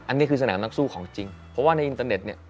อันนี้คือสนามนักสู้ของจริงเพราะว่าในอินเตอร์เน็ตเนี่ย